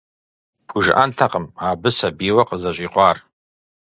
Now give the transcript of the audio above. Пхужыӏэнтэкъым абы сабийуэ къызэщӏикъуэр.